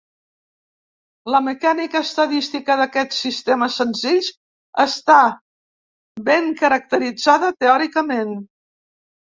La mecànica estadística d'aquests sistemes senzills està ben caracteritzada teòricament.